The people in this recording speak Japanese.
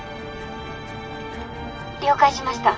「了解しました。